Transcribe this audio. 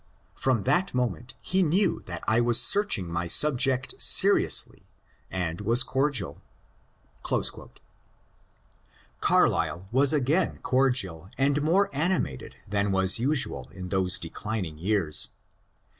From that moment he knew that I was searching my subject seriously and was cordial." Carlyle was again cordial and more animated than was usual in those declining years.